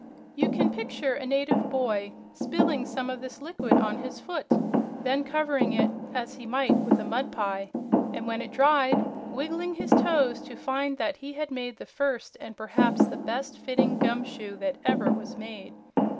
You can picture a native boy spilling some of this liquid on his foot, then covering it, as he might with a mud pie, and when it dried wiggling his toes to find that, he had the first and perhaps the best fitting gum shoe that ever was made.